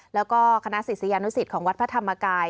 แล้วก็คณะศิษยานุสิตของวัดพระธรรมกาย